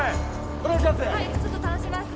お願いします